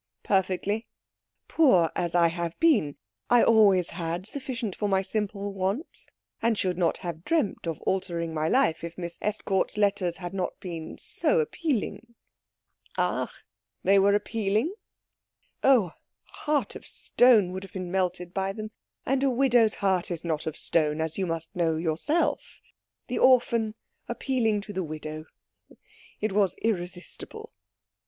"Perfectly." "Poor as I have been, I always had sufficient for my simple wants, and should not have dreamed of altering my life if Miss Estcourt's letters had not been so appealing." "Ach they were appealing?" "Oh, a heart of stone would have been melted by them. And a widow's heart is not of stone, as you must know yourself. The orphan appealing to the widow it was irresistible."